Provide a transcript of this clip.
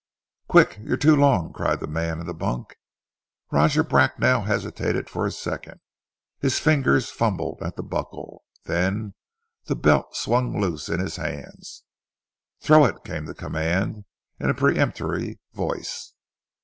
"Quick! You're too long!" cried the man in the bunk. Roger Bracknell hesitated for a second. His fingers fumbled at the buckle, then the belt swung loose in his hands. "Throw it!" came the command in a peremptory voice.